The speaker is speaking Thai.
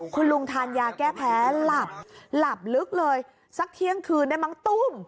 คุณลุงทานยาแก้แพ้หลับหลับลึกเลยสักเที่ยงคืนได้มั้งตุ้ม